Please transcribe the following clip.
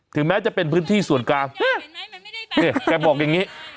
แม้จะเป็นพื้นที่ส่วนกลางเนี่ยแกบอกอย่างนี้